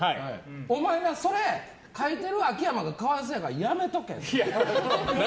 お前な、それ書いてる秋山が可哀想やからやめとけって。